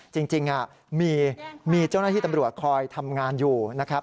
จริงมีเจ้าหน้าที่ตำรวจคอยทำงานอยู่นะครับ